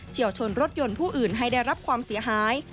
วชนรถยนต์ผู้อื่นให้ได้รับความเสียหาย